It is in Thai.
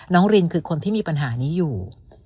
รินคือคนที่มีปัญหานี้อยู่